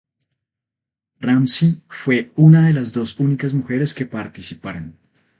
Ramsey fue una de las dos únicas mujeres que participaron.